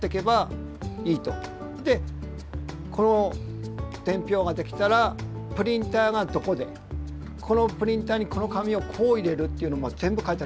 でこの伝票ができたらプリンターがどこでこのプリンターにこの紙をこう入れるっていうのも全部書いてあります。